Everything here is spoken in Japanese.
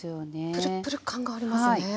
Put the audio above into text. プルプル感がありますね。